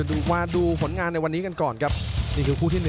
เอาละครับสวัสดีครับคุณผู้ชม